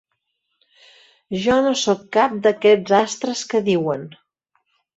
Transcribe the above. Jo no soc cap d'aquests astres que diuen.